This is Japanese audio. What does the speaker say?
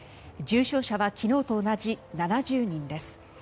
重症者は昨日と同じ７０人です。